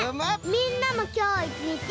みんなもきょういちにち。